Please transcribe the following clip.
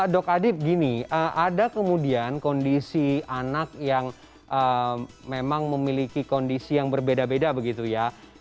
dok adip gini ada kemudian kondisi anak yang memang memiliki kondisi yang berbeda beda begitu ya